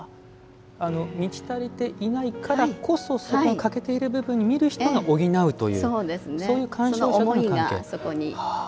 満ち足りていないからこそ欠けている部分は見る人が補うというそういう関係と。